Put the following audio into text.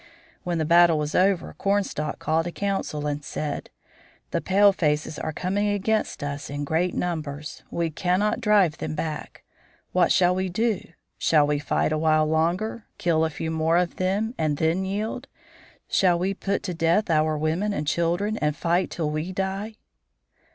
When the battle was over Cornstalk called a council and said: 'The palefaces are coming against us in great numbers. We can not drive them back. What shall we do? Shall we fight a while longer, kill a few more of them, and then yield? Shall we put to death our women and children and fight till we die?'